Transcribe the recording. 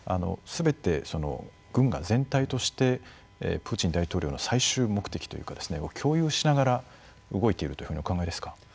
すべて軍が全体としてプーチン大統領の最終目的というかですねを共有しながら動いているというふうにお考えですか？